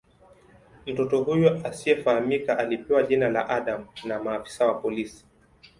Mtoto huyu asiyefahamika alipewa jina la "Adam" na maafisa wa polisi.